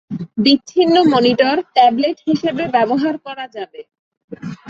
বিচ্ছিন্ন monitor tablet হিসেবে ব্যবহার করা যাবে।